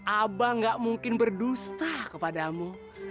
abang gak mungkin berdusta kepadamu